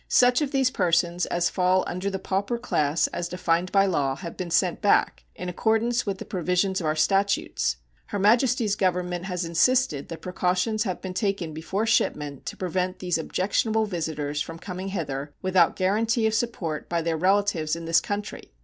Such of these persons as fall under the pauper class as defined by law have been sent back in accordance with the provisions of our statutes. Her Majesty's Government has insisted that precautions have been taken before shipment to prevent these objectionable visitors from coming hither without guaranty of support by their relatives in this country.